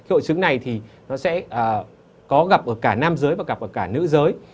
hội chứng này thì nó sẽ có gặp ở cả nam giới và gặp ở cả nữ giới